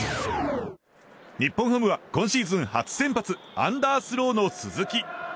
日本ハムは今シーズン初先発アンダースローの鈴木。